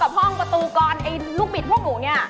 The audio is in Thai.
กับห้องประตูกรรมลูกบิดพวกหนูนี่